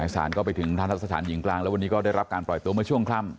สารก็ไปถึงทันทะสถานหญิงกลางแล้ววันนี้ก็ได้รับการปล่อยตัวเมื่อช่วงค่ำ